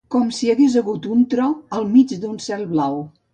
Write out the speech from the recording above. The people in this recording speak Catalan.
Com si hagués hagut un tro al mig d'un cel blau.